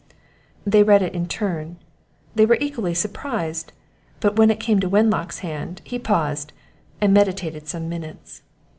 They read it in turn they were equally surprised; but when it came into Wenlock's hand, he paused and meditated some minutes.